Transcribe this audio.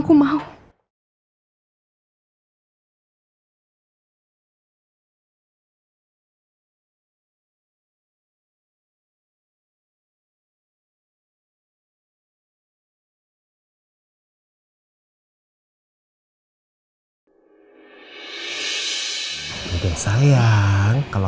kamu sudah lemons kan